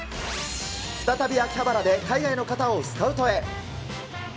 再び秋葉原で海外の方をスカウトへ。